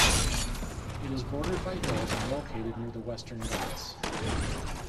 It is bordered by hills and located near the Western Ghats.